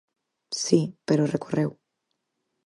Si, pero recorreu.